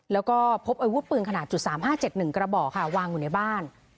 แล้วก็พบอัยวุธปืนขนาดจุดสามห้าเจ็ดหนึ่งกระบ่อค่ะวางอยู่ในบ้าน